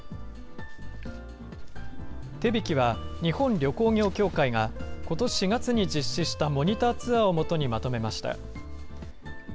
手引は日本旅行業界が、ことし４月に実施したモニターツアーをもとにまとめました。